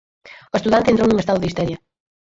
O estudante entrou nun estado de histeria.